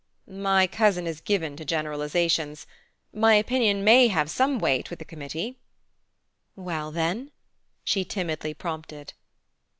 "My cousin is given to generalizations. My opinion may have some weight with the committee " "Well, then " she timidly prompted.